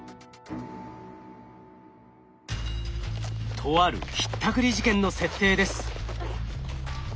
とあるひったくり事件の設定です。